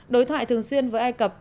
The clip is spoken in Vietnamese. đối thoại thường xuyên với ai cập